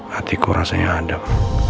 hatiku rasanya adem